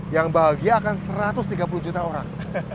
yang bahagia akan satu ratus tiga puluh juta orang